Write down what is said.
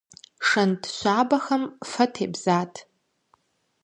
Шэнт щабэхэм фэ тебзат.